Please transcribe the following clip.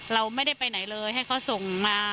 เราไม่ได้ไปไหนเลยให้เขาส่งมา